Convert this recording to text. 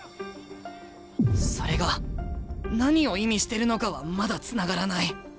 それが何を意味してるのかはまだつながらない。